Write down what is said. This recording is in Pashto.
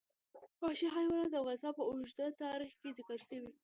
وحشي حیوانات د افغانستان په اوږده تاریخ کې ذکر شوی دی.